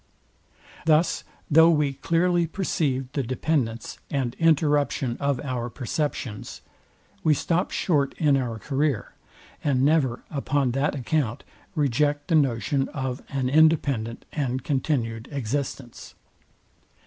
Thus though we clearly perceive the dependence and interruption of our perceptions, we stop short in our career, and never upon that account reject the notion of an independent and continued existence.